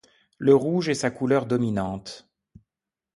Le rouge est sa couleur dominante.